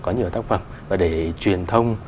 có nhiều tác phẩm và để truyền thông